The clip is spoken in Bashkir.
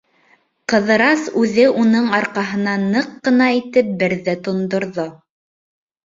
Ҡыҙырас үҙе уның арҡаһына ныҡ ҡына итеп берҙе тондорҙо.